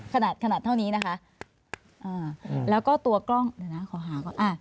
ขนาดขนาดเท่านี้นะคะอ่าแล้วก็ตัวกล้องเดี๋ยวนะขอหาก่อนอ่า